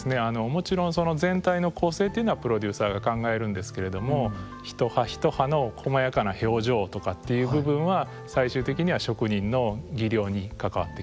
もちろん全体の構成というのはプロデューサーが考えるんですけれども一葉一葉のこまやかな表情とかっていう部分は最終的には職人の技量に関わってきます。